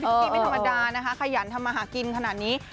พี่กี้ไม่ธรรมดานะคะขยันทำมาหากินขนาดนี้